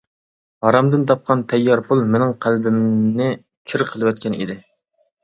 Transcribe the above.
ھارامدىن تاپقان تەييار پۇل مېنىڭ قەلبىمنى كىر قىلىۋەتكەن ئىدى.